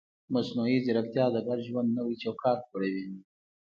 مصنوعي ځیرکتیا د ګډ ژوند نوی چوکاټ جوړوي.